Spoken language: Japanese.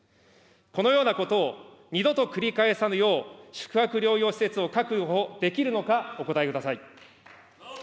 このようなことを二度と繰り返さぬよう、宿泊療養施設を確保できるのかお答えください。